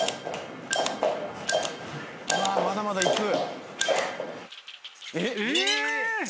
まだまだいく。え！？